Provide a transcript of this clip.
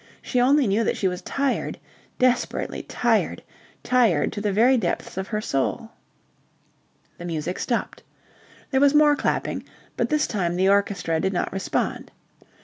She only knew that she was tired, desperately tired, tired to the very depths of her soul. The music stopped. There was more clapping, but this time the orchestra did not respond.